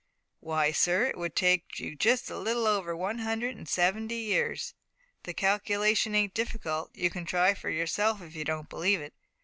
"W'y, sir, it would take you just a little over one hundred and seventy years. The calculation ain't difficult; you can try it for yourself if you don't believe it.